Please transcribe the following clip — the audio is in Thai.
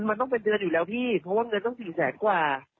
มันต้องเป็นเดือนอยู่แล้วพี่เพราะว่าเงินต้อง๔แสนกว่า